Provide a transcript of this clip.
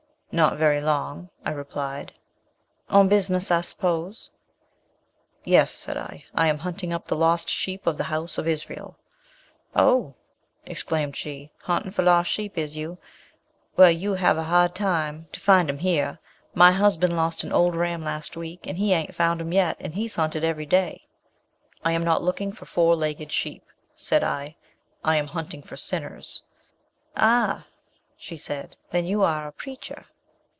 'Not very long,' I replied. 'On business, I s'pose.' 'Yes,' said I, 'I am hunting up the lost sheep of the house of Israel.' 'Oh,' exclaimed she, 'hunting for lost sheep is you? Well, you have a hard time to find 'em here. My husband lost an old ram last week, and he ain't found him yet, and he's hunted every day.' 'I am not looking for four legged sheep,' said I, 'I am hunting for sinners.' 'Ah'; she said, 'then you are a preacher.'